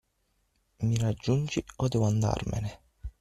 Mi raggiungi o devo andarmene?